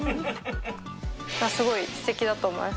すごいすてきだと思います。